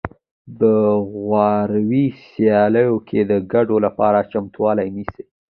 په غوراوي سیالیو کې د ګډون لپاره چمتووالی نیسي